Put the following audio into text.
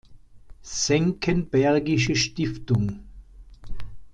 Senckenbergische Stiftung“.